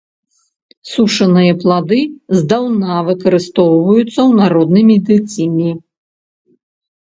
Сушаныя плады здаўна выкарыстоўваюцца ў народнай медыцыне.